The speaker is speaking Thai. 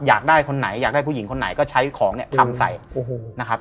อยากได้คนไหนอยากได้ผู้หญิงคนไหนก็ใช้ของเนี่ยทำใส่นะครับ